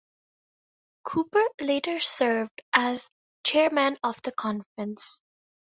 Cooper later served as chairman of the conference.